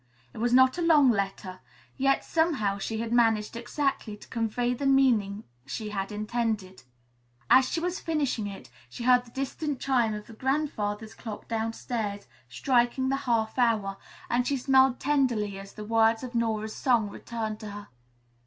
It was not a long letter, yet somehow she had managed exactly to convey the meaning she had intended. As she was finishing it, she heard the distant chime of the grandfather's clock downstairs, striking the half hour, and she smiled tenderly as the words of Nora's song returned to her.